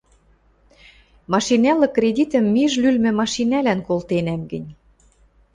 — Машинӓлык кредитӹм миж лӱлмӹ машинӓлӓн колтенӓм гӹнь